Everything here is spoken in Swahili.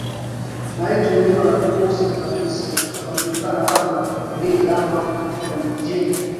Maiti huliwa na tumbusi na fisi wanaojulikana kama Ondili ama Olngojine